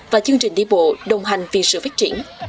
và chương trình đi bộ đồng hành vì sự phát triển